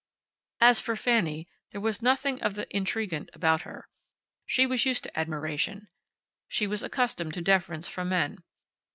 As for Fanny, there was nothing of the intriguant about her. She was used to admiration. She was accustomed to deference from men.